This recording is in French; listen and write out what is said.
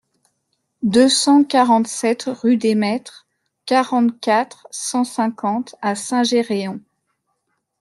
deux cent quarante-sept rue des Maîtres, quarante-quatre, cent cinquante à Saint-Géréon